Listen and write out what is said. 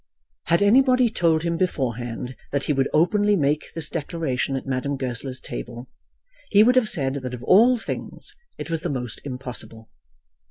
Had anybody told him beforehand that he would openly make this declaration at Madame Goesler's table, he would have said that of all things it was the most impossible.